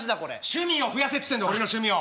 趣味を増やせっつってんだ俺の趣味を。